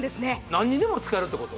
何にでも使えるってこと？